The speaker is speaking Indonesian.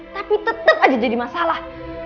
tapi tetap aja jadi masalah